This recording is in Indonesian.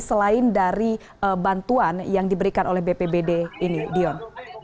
selain dari bantuan yang diberikan oleh bpbd ini dion